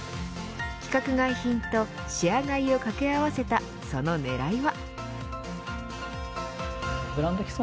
規格外品とシェア買いを掛け合わせたその狙いは。